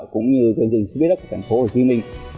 cũng như chương trình speed up tp hcm